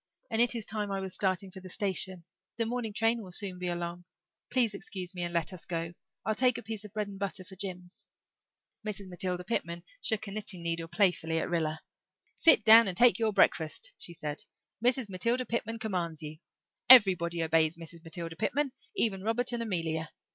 And it is time I was starting for the station. The morning train will soon be along. Please excuse me and let us go I'll take a piece of bread and butter for Jims." Mrs. Matilda Pitman shook a knitting needle playfully at Rilla. "Sit down and take your breakfast," she said. "Mrs. Matilda Pitman commands you. Everybody obeys Mrs. Matilda Pitman even Robert and Amelia.